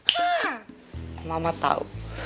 hah mama tau